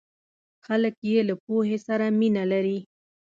خلک یې له پوهې سره مینه لري.